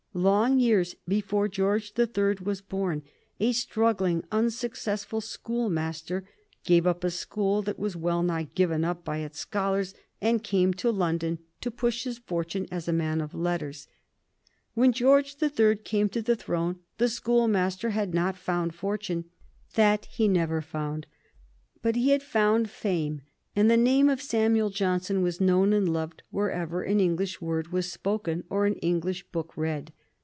Long years before George the Third was born, a struggling, unsuccessful schoolmaster gave up a school that was well nigh given up by its scholars and came to London to push his fortune as a man of letters. When George the Third came to the throne the schoolmaster had not found fortune that he never found but he had found fame, and the name of Samuel Johnson was known and loved wherever an English word was spoken or an English book read.